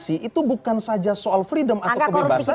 itu bukan saja soal freedom atau kebebasan